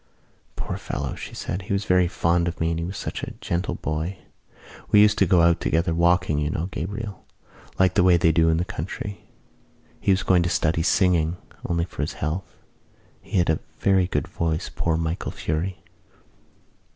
"Poor fellow," she said. "He was very fond of me and he was such a gentle boy. We used to go out together, walking, you know, Gabriel, like the way they do in the country. He was going to study singing only for his health. He had a very good voice, poor Michael Furey."